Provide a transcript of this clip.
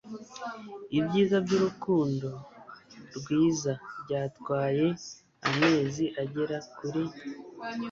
ibyiza byurukundo rwiza Byatwaye amezi agera kuri